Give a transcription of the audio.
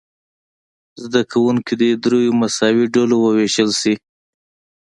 زده کوونکي دې دریو مساوي ډلو وویشل شي.